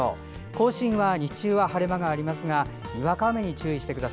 甲信は日中は晴れ間がありますがにわか雨に注意が必要です。